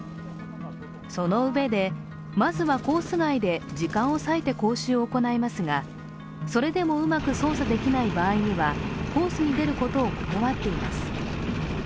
そのうえで、まずはコース外で時間を割いて講習を行いますがそれでもうまく操作できない場合にはコースに出ることを断っています。